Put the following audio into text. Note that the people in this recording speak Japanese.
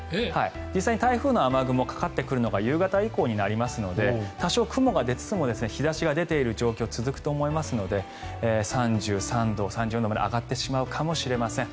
実際に台風の雨雲かかってくるのが夕方以降になりますので多少、雲が出つつも日差しが出ている状況が続くと思いますので３３度、３４度まで上がってしまうかもしれません。